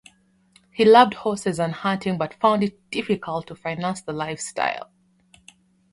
He loved horses and hunting but found it difficult to finance the lifestyle.